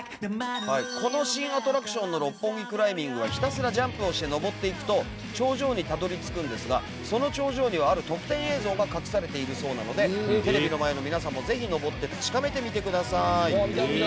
クライミングはひたすらジャンプをして登っていくと頂上にたどり着くんですがその頂上にはある特典映像が隠されているそうなのでテレビの前の皆さんもぜひ登って確かめてみてください。